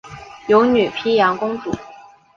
有女沘阳公主。